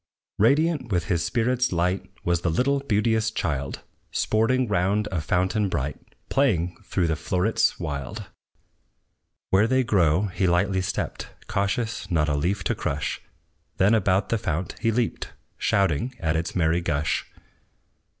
Radiant with his spirit's light Was the little beauteous child, Sporting round a fountain bright, Playing through the flowerets wild. Where they grow he lightly stepped, Cautious not a leaf to crush; Then about the fount he leaped, Shouting at its merry gush.